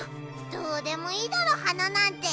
どうでもいいだろ花なんて。